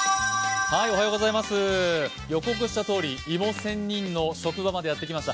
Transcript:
予告したとおり、芋仙人の職場までやってきました。